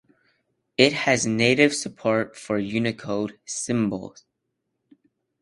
It has native support for Unicode symbols.